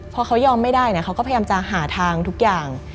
พอเขายอมไม่ได้เขาก็พยายามจะหาทางทุกอย่าง